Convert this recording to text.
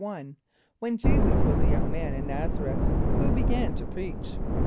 = When J[=e]´[s+]us was a young man in N[)a]z´a r[)e]th who began to preach?